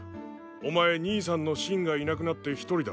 お前兄さんのシンがいなくなってひとりだろ？